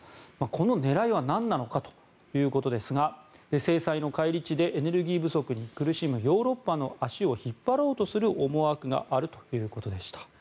この狙いはなんなのかということですが制裁の返り血でエネルギー不足に苦しむヨーロッパの足を引っ張ろうとする思惑があるということでした。